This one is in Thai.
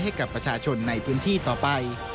ให้กับประชาชนในพื้นที่ต่อไป